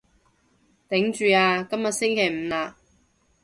頂住啊，今日星期五喇